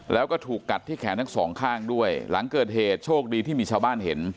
แล้วก็ถูกกัดที่แขนทั้งสองข้างด้วยหลังเกิดเหตุโชคดีที่มีชาวบ้านเห็น